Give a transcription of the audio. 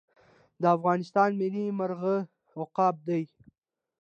د افغانستان ملي مرغه عقاب دی